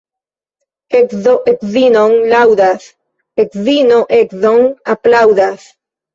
Edzo edzinon laŭdas, edzino edzon aplaŭdas.